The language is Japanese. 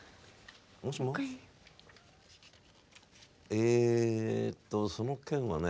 えっとその件はね